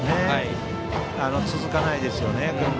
続かないですよね。